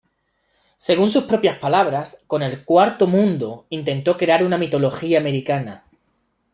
Según sus propias palabras, con el Cuarto Mundo intentó crear una "mitología americana".